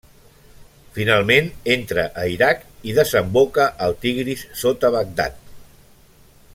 Finalment, entra a Iraq i desemboca al Tigris sota Bagdad.